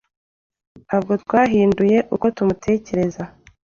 Ntabwo twahinduye uko tumutekereza.